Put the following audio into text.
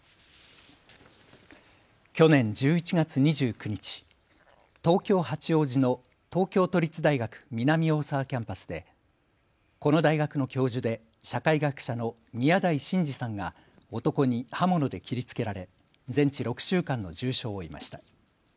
去年１１月２９日、東京八王子の東京都立大学南大沢キャンパスでこの大学の教授で社会学者の宮台真司さんが男に刃物で切りつけられ全治６週間の重傷を負いました。